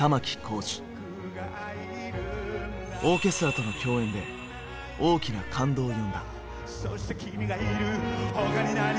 オーケストラとの共演で大きな感動を呼んだ。